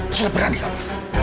sudah berani kamu